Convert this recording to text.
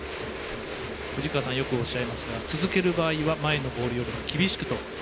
藤川さんがよくおっしゃいますが続ける場合は前のボールより厳しくと。